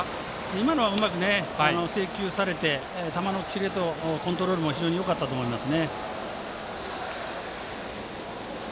今のは制球されて球のキレとコントロールもよかったと思います。